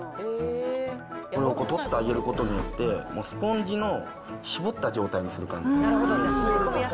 これを取ってあげることによって、もうスポンジの絞った状態にする感じ。